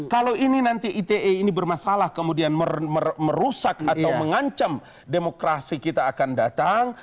kalau ini nanti ite ini bermasalah kemudian merusak atau mengancam demokrasi kita akan datang